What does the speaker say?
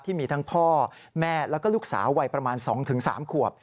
ที่มีทั้งพ่อแม่แล้วก็ลูกสาววัยประมาณ๒๓ขวบ